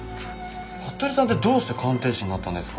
服部さんってどうして鑑定士になったんですか？